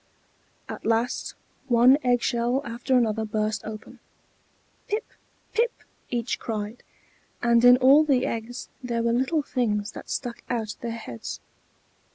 At last one egg shell after another burst open. "Pip! pip!" each cried, and in all the eggs there were little things that stuck out their heads.